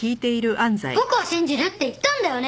僕を信じるって言ったんだよね？